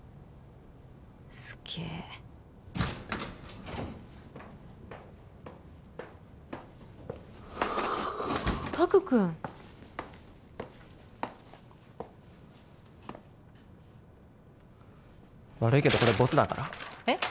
すげえ拓くん悪いけどこれボツだからえっ？